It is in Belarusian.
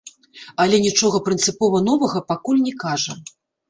Але нічога прынцыпова новага пакуль не кажа.